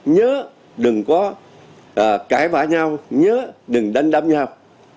nhớ đừng có cãi vã nhau nhớ đừng đánh đâm nhau